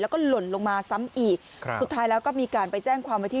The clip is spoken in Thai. แล้วก็หล่นลงมาซ้ำอีกครับสุดท้ายแล้วก็มีการไปแจ้งความไว้ที่